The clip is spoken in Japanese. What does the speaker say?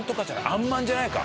あんまんじゃないか？